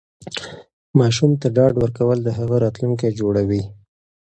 ماشوم ته ډاډ ورکول د هغه راتلونکی جوړوي.